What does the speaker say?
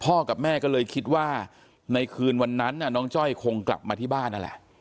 กับแม่ก็เลยคิดว่าในคืนวันนั้นน้องจ้อยคงกลับมาที่บ้านนั่นแหละ